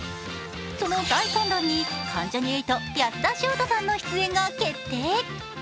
その第３弾に関ジャニ∞、安田章大さんの出演が決定。